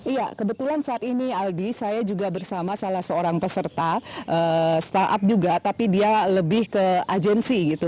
iya kebetulan saat ini aldi saya juga bersama salah seorang peserta startup juga tapi dia lebih ke agensi gitu